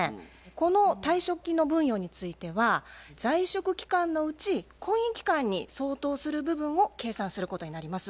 この退職金の分与については在職期間のうち婚姻期間に相当する部分を計算することになります。